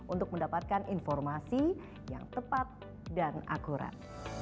untuk mendapatkan informasi yang tepat dan akurat